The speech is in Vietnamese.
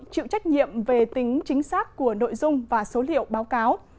chịu trách nhiệm về tính chính xác của nội dung và số liệu báo cáo